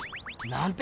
なんて